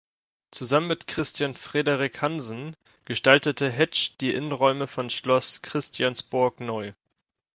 Zusammen mit Christian Frederik Hansen gestaltete Hetsch die Innenräume von Schloss Christiansborg neu.